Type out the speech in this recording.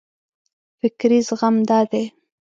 فکري زغم دا دی.